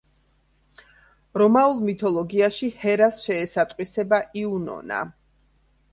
რომაულ მითოლოგიაში ჰერას შეესატყვისება იუნონა.